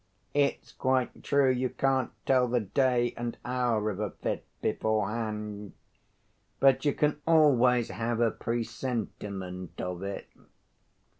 It's quite true you can't tell the day and hour of a fit beforehand, but you can always have a presentiment of it."